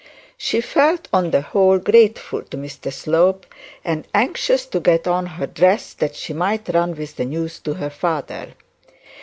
She felt, on the whole, grateful to Mr Slope, and anxious to get on her dress that she might run with the news to her father.